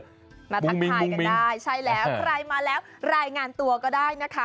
ก็มาทักทายกันได้ใช่แล้วใครมาแล้วรายงานตัวก็ได้นะคะ